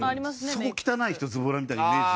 そこが汚い人ズボラみたいなイメージ。